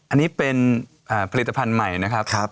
อันนี้เป็นผลิตภัณฑ์ใหม่นะครับ